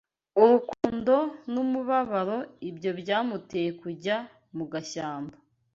urukundo n’umubabaro, ibyo byamuteye kujya mu gashyamba